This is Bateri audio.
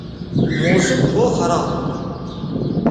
موسم ڙھؤ خراب تھو